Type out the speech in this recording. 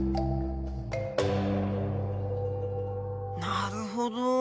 なるほど。